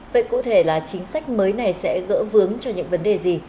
vậy cụ thể là chính sách mới này sẽ gỡ vướng cho những vấn đề gì